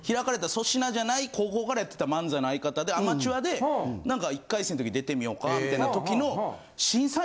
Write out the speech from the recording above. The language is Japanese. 粗品じゃない高校からやってた漫才の相方でアマチュアでなんか１回生の時出てみよかみたいな時の。